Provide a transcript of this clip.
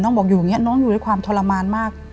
บอกอยู่อย่างนี้น้องอยู่ด้วยความทรมานมาก